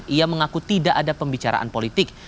ia mengaku tidak ada pembicaraan politik